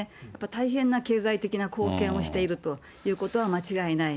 大変な経済的な貢献をしているということは間違いない。